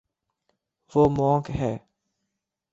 وہ مونک ہے